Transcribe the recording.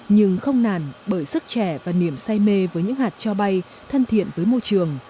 nhưng không nản bởi sức trẻ và niềm say mê với những hạt cho bay thân thiện với môi trường